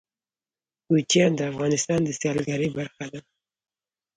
کوچیان د افغانستان د سیلګرۍ برخه ده.